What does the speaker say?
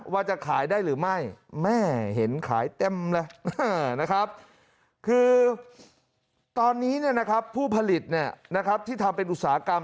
ว่าจะขายได้หรือไม่แม่เห็นขายเต้มเลยคือตอนนี้ผู้ผลิตที่ทำเป็นอุตสาหกรรม